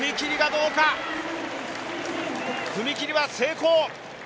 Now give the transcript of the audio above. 踏み切りは成功。